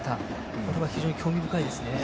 これは非常に興味深いですね。